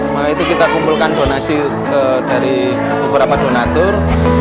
maka itu kita kumpulkan donasi dari beberapa donatur